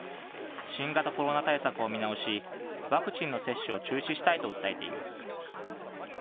新型コロナ対策を見直し、ワクチンの接種を中止したいと訴えています。